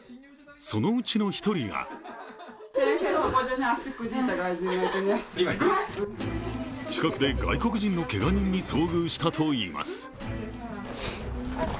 そのうちの１人が近くで外国人のけが人に遭遇したといいます。